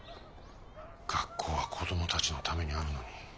学校は子供たちのためにあるのに。